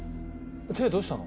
手どうしたの？